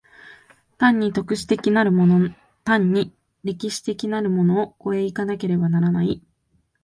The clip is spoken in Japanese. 単に特殊的なるもの単に歴史的なるものを越え行かねばならない。